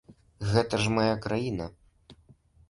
Гэта ж мая краіна.